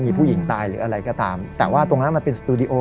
มีผู้หญิงตายหรืออะไรก็ตามแต่ว่าตรงนั้นมันเป็นสตูดิโอ